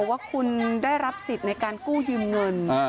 ว่าคุณได้รับสิทธิ์ในการกู้ยืมเงิน